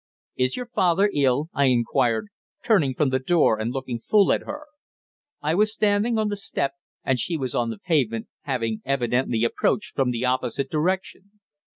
"Is your father ill?" I inquired, turning from the door and looking full at her. I was standing on the step, and she was on the pavement, having evidently approached from the opposite direction.